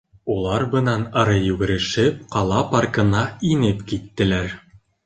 Улар бынан ары йүгерешеп ҡала паркына инеп киттеләр.